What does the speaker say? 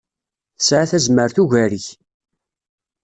Tesɛa tazmert ugar-ik.